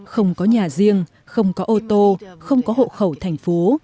không có nhà riêng không có ô tô không có hộ khẩu thành phố